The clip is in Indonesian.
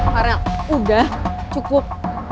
parel udah cukup